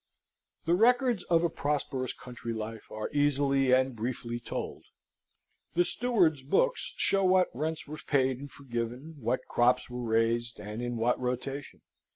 The records of a prosperous country life are easily and briefly told. The steward's books show what rents were paid and forgiven, what crops were raised, and in what rotation.